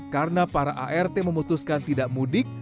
karena para art memutuskan tidak mudik